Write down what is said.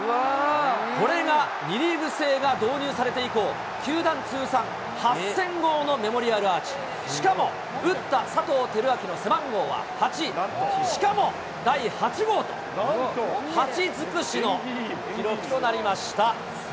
これが２リーグ制が導入されて以降、球団通算８０００号のメモリアルアーチ、しかも、打った佐藤輝明の背番号は８、しかも第８号と、８尽くしの記録となりました。